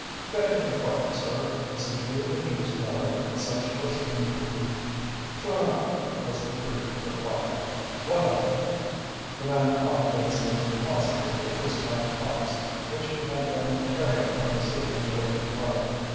"Begging your pardon, sir, is it true that he was Miller, the Socialist M.P.?" "True enough," was the brief reply. "What of it?" The man coughed as he deposited the dispatch box which he had been carrying on the seat of the waiting car.